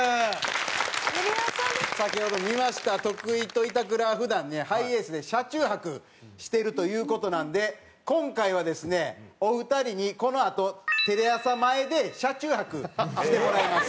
先ほど見ました徳井と板倉は普段ねハイエースで車中泊してるという事なんで今回はですねお二人にこのあとテレ朝前で車中泊してもらいます。